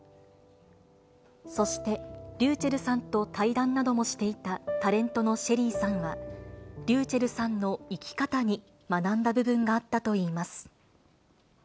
そして、ｒｙｕｃｈｅｌｌさんと対談などもしていたタレントのＳＨＥＬＬＹさんは、ｒｙｕｃｈｅｌｌさんの生き方に学んだ部分があったといいます。